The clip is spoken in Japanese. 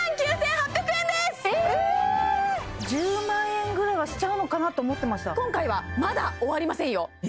１０万円ぐらいはしちゃうのかなと思ってましてた今回はまだ終わりませんよ